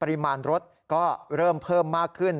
ปริมาณรถก็เริ่มเพิ่มมากขึ้น